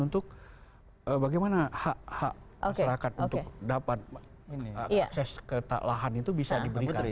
untuk bagaimana hak hak masyarakat untuk dapat akses ke lahan itu bisa diberikan